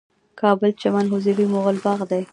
د کابل چمن حضوري مغل باغ دی